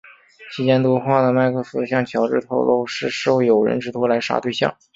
期间多话的麦克斯向乔治透露是受友人之托来杀对象。